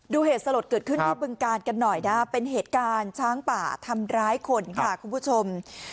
เหตุสลดเกิดขึ้นที่บึงกาลกันหน่อยนะเป็นเหตุการณ์ช้างป่าทำร้ายคนค่ะคุณผู้ชม